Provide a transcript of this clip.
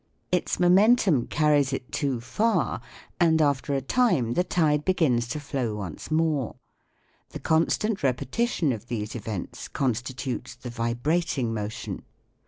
Its momentum carries it too far, and after a time the tide begins to flow once more ; the constant repetition of these events constitutes the vibrating motion.